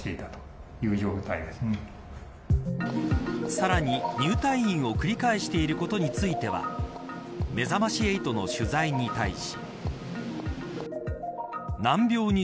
さらに、入退院を繰り返していることについてはめざまし８の取材に対し。